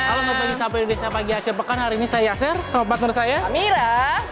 halo selamat pagi sahabat indonesia pagi asir pekan hari ini saya yasser sahabat saya amira